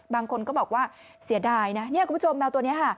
บางคนก็บอกว่าเสียดายนะเนี่ยคุณผู้ชมแมวตัวนี้ค่ะ